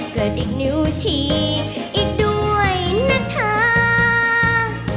กลับอีกนิ้วฉีกอีกด้วยนักทาง